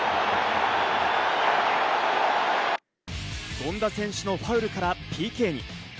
権田選手のファウルからＰＫに。